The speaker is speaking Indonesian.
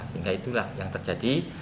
sehingga itulah yang terjadi